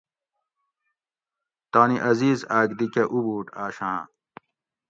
تانی عزیز اۤک دی کہ اُبُوٹ آشاں